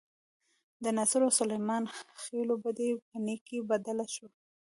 د ناصرو او سلیمان خېلو بدۍ په نیکۍ بدله شوه.